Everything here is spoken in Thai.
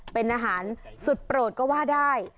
เป็นอาหารสุดโปรดก็ว่าได้